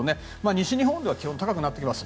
西日本では気温が高くなってきます。